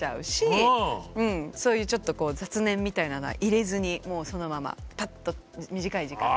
そういうちょっと雑念みたいなのは入れずにもうそのままパッと短い時間で。